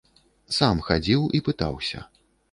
Сам хадзіў і пытаўся.